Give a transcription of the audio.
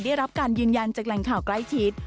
ได้รับการยืนยันจากแหล่งข่าวใกล้ชิด